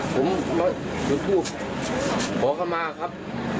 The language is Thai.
ผมอยู่ที่ภูมิขอขมาครับ